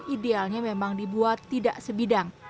idealnya memang dibuat tidak sebidang